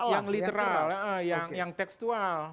yang literal yang tekstual